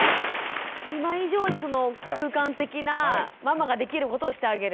今以上にその空間的なママができることをしてあげる。